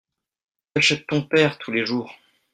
Qu’achète ton père tous les jours ?